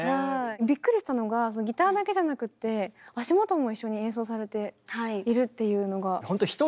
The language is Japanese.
びっくりしたのがギターだけじゃなくて足元も一緒に演奏されているっていうのが。